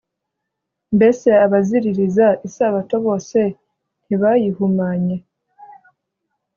mbese abaziririza isabato bose ntibayihumanye